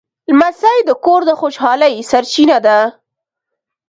لمسی د کور د خوشحالۍ سرچینه ده.